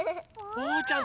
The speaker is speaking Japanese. おうちゃん